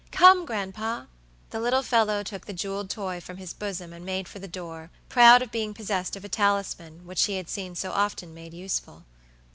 "Come, gran'pa." The little fellow took the jeweled toy from his bosom and made for the door, proud of being possessed of a talisman, which he had seen so often made useful.